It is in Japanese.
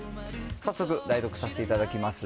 早速、代読させていただきます。